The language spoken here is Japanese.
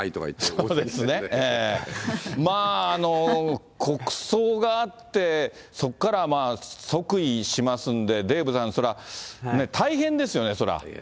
そうですね、まあ、国葬があって、そこから即位しますんで、デーブさん、大変ですね。